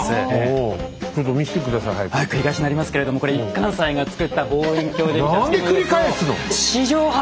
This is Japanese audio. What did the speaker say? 繰り返しになりますけれどもこれ一貫斎が作った望遠鏡で見た月の様子を。